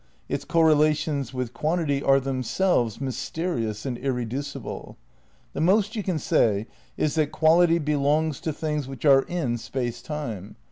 Its correlations with quantity are themselves mysterious and irreducible. The most you can say is that quality belongs to things which are in Space Time.